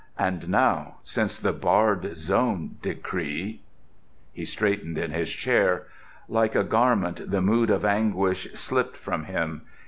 And now, since the "barred zone" decree ... He straightened in his chair. Like a garment the mood of anguish slipped from him.